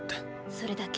それだけ？